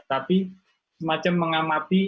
tapi semacam mengamati